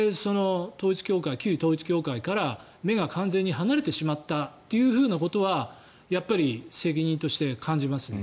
旧統一教会から目が完全に離れてしまったということはやっぱり責任として感じますね。